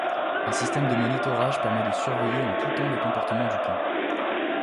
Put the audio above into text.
Un système de monitorage permet de surveiller en tout temps les comportements du pont.